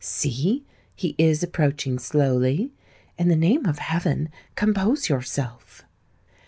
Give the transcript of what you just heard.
See—he is approaching slowly;—in the name of heaven compose yourself!"